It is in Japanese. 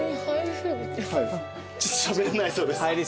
しゃべれないそうです。